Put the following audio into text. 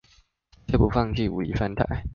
卻不放棄武力犯台